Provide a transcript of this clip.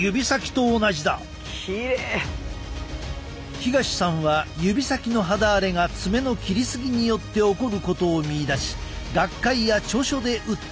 東さんは指先の肌荒れが爪の切り過ぎによって起こることを見いだし学会や著書で訴えてきた。